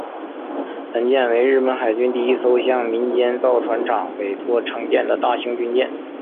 本舰为日本海军第一艘向民间造船厂委托承建的大型军舰。